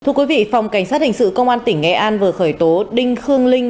thưa quý vị phòng cảnh sát hình sự công an tỉnh nghệ an vừa khởi tố đinh khương linh